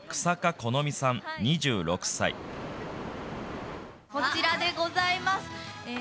こちらでございます。